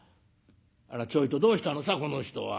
あらちょいとどうしたのさこの人は。